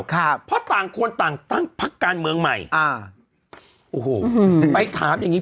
ครับเพราะต่างคนต่างตั้งพักการเมืองใหม่อ่าโอ้โหอืมไปถามอย่างงี้